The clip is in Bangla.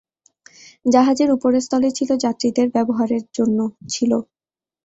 জাহাজের উপরের স্তরে ছিলো যাত্রীদের ব্যবহারের জন্য ছিল।